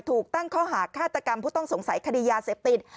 ถูกตั้งข้อหาฆาตกรรมผู้ต้องสงสัยคดียาเสพติด